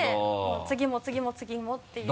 次も次も次もっていう。